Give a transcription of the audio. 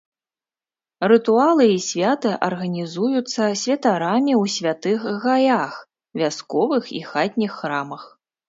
Рытуалы і святы арганізуюцца святарамі ў святых гаях, вясковых і хатніх храмах.